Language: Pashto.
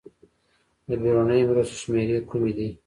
د بېړنیو مرستو شمېرې کومې دي؟